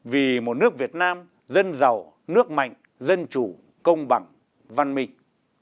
vì một nước việt nam dân giàu nước mạnh dân chủ công bằng văn minh